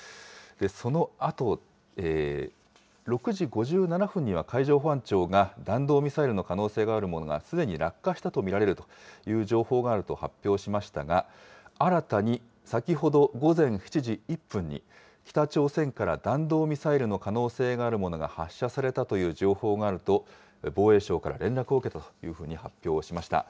そのあと、６時５７分には海上保安庁が、弾道ミサイルの可能性があるものがすでに落下したと見られるという情報があると発表しましたが、新たに先ほど午前７時１分に、北朝鮮から弾道ミサイルの可能性があるものが発射されたという情報があると、防衛省から連絡を受けたというふうに発表しました。